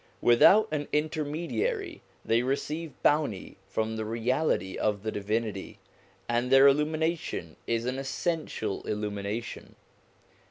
Without an intermediary they receive bounty from the Reality of the Divinity, and their illumination is an essential illumination.